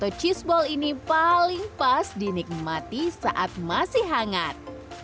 to cheeseball ini paling pas dinikmati saat masih hangat